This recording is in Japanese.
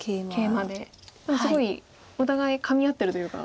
でもすごいお互いかみ合ってるというか。